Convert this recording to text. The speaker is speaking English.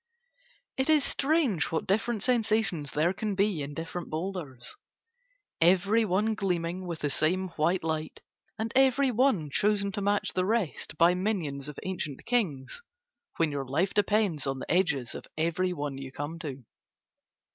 It is strange what different sensations there can be in different boulders every one gleaming with the same white light and every one chosen to match the rest by minions of ancient kings when your life depends on the edges of every one you come to.